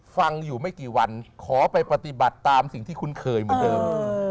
ฟังอยู่ไม่กี่วันขอไปปฏิบัติตามสิ่งที่คุ้นเคยเหมือนเดิม